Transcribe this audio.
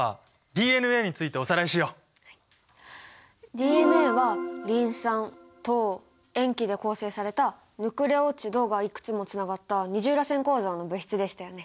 ＤＮＡはリン酸・糖・塩基で構成されたヌクレオチドがいくつもつながった二重らせん構造の物質でしたよね。